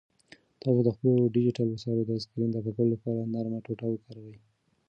تاسو د خپلو ډیجیټل وسایلو د سکرین د پاکولو لپاره نرمه ټوټه وکاروئ.